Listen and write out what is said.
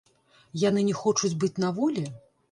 Яны не хочуць быць на волі?